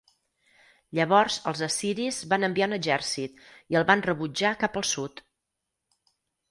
Llavors els assiris van enviar un exèrcit i el van rebutjar cap al sud.